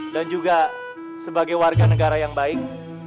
dan juga sebagai warga negara yang baik